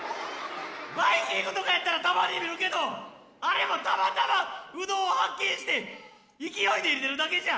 バイキングとかやったらたまに見るけどあれもたまたまうどん発見して勢いで入れてるだけじゃ！